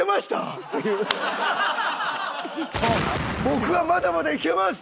「僕はまだまだいけます」。